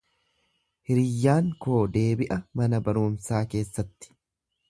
Hiriyyaan koo deebi'a mana barumsaa keessatti.